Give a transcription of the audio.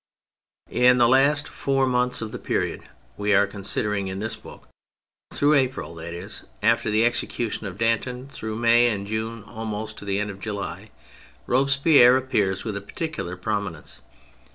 THE PHASES 189 In the last four months of the period we are considering in this book, through April, that is, after the execution of Danton, through May and June and almost to the end of July, Robespierre appears with a particular pro minence.